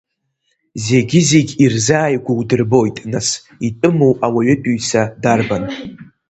Зегьы-зегь ирзааигәоу дырбоит, нас, итәыму ауаҩытәыҩса дарбан.